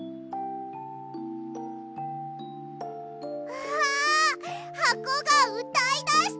うわはこがうたいだした！